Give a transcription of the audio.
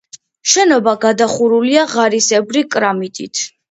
შენობა გადახურულია ღარისებრი კრამიტით.